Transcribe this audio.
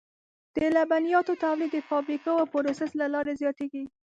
د لبنیاتو تولید د فابریکوي پروسس له لارې زیاتېږي.